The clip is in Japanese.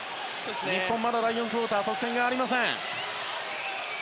日本、まだ第４クオーター得点がありません。